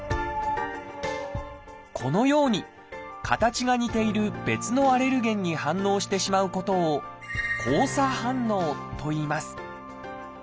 このように形が似ている別のアレルゲンに反応してしまうことを「交差反応」といいます。